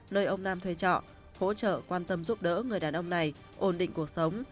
nơi ông nam thuê trọ hỗ trợ quan tâm giúp đỡ người đàn ông này ổn định cuộc sống